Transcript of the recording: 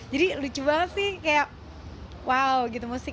jadi lucu banget sih kayak wow gitu